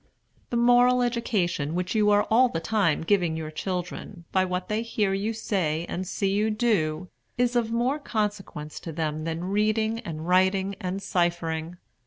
The moral education which you are all the time giving your children, by what they hear you say and see you do, is of more consequence to them than reading and writing and ciphering.